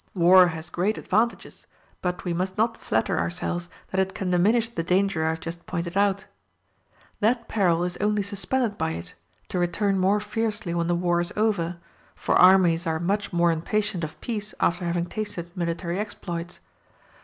War has great advantages, but we must not flatter ourselves that it can diminish the danger I have just pointed out. That peril is only suspended by it, to return more fiercely when the war is over; for armies are much more impatient of peace after having tasted military exploits.